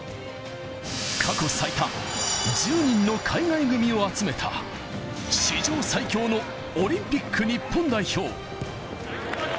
過去最多１０人の海外組を集めた史上最強のオリンピック日本代表。